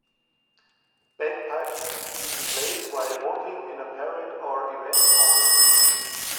Bagpipes being played while walking in a parade or event on the street.